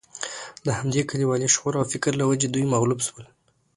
د همدې کلیوالي شعور او فکر له وجې دوی مغلوب شول.